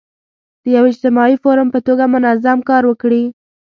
د یو اجتماعي فورم په توګه منظم کار وکړي.